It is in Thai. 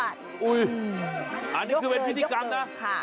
อันนี้คือเป็นพิธีกรรมนะ